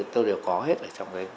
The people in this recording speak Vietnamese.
tôi đều có hết ở trong đấy